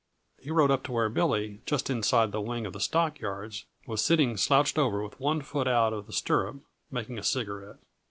He rode up to where Billy, just inside the wing of the stockyards, was sitting slouched over with one foot out of the stirrup, making a cigarette.